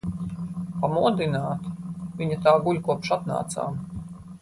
Pamodināt? Viņa tā guļ, kopš atnācām.